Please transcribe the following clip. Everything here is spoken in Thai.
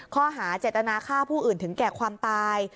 ข้อหาเจตนาฆ่าผู้อื่นถึงแก่ความตาย